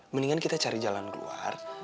mendingan kita cari jalan keluar